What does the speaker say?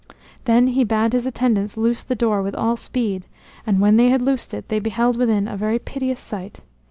Then he bade his attendants loose the door with all speed; and when they had loosed it, they beheld within a very piteous sight.